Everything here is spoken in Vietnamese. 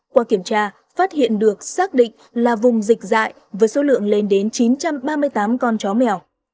qua kiểm tra phát hiện được xác định là vùng dịch dại với số lượng lên đến chín trăm ba mươi tám con chó mèo